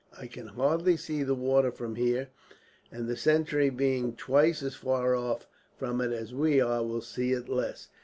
I can hardly see the water from here; and the sentry, being twice as far off from it as we are, will see it less.